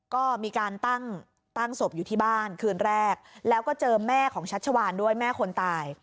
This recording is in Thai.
ก็มีการตั้งตั้งศพอยู่ที่บ้านคืนแรกแล้วก็เจอแม่ของชัชวานด้วยแม่คนตาย